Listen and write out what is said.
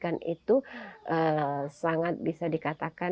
mereka juga harus memanfaatkan dengan kemampuan